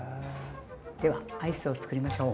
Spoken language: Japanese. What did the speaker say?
ではアイスをつくりましょう。